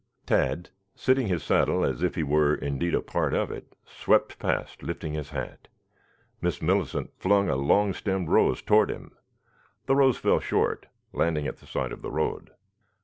Tad, sitting his saddle as if he were, indeed, a part of it, swept past, lifting his hat. Miss Millicent flung a long stemmed rose toward him. The rose fell short, landing at the side of the road.